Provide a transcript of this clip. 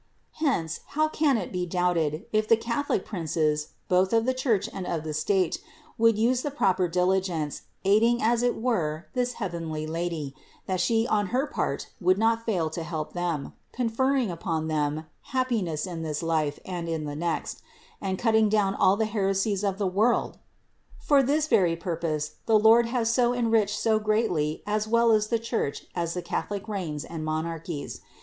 Hence, how can it be doubted, if the Catholic princes, both of the Church and of the state, would use the proper diligence, aiding as it were this heavenly Lady, that She on her part would not fail to help them, conferring upon them happiness in this life and in the next, and cutting 292 CITY OF GOD down all the heresies of the world? For this very pur pose the Lord has so enriched so greatly as well the Church as the Catholic reigns and monarchies.